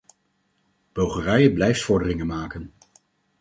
Bulgarije blijft vorderingen maken.